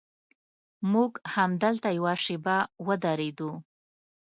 موږ همدلته یوه شېبه ودرېدو.